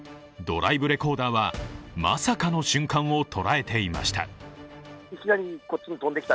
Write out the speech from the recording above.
ドライブレコーダーはまさかの瞬間を捉えていました。